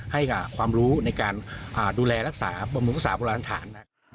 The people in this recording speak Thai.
ให้ความรู้ในการดูแลรักษาประมุงศาสตร์ประวัติฐาน